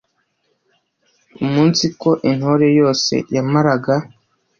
umunsiko Intore yose yamaraga